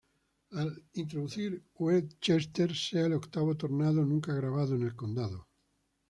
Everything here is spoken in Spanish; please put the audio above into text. A introducir Westchester, sea el octavo tornado nunca grabado en el condado.